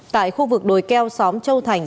tại khu vực đồi keo xóm châu thành